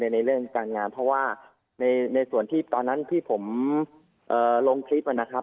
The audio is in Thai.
ในเรื่องการงานเพราะว่าในส่วนที่ตอนนั้นที่ผมลงคลิปนะครับ